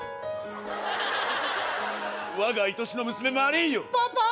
我がいとしの娘マリーンよパパ！